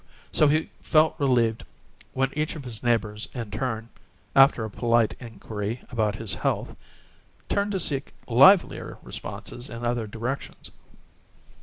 So he felt relieved when each of his neighbors in turn, after a polite inquiry about his health, turned to seek livelier responses in other directions.